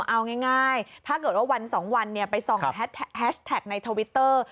เอาง่ายถ้าเกิดว่าวัน๒วันไปส่องแฮชแท็กในทวิตเตอร์